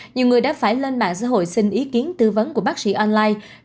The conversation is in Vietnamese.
nhiều người đã phải lên mạng xã hội xin ý kiến tư vấn của bác sĩ online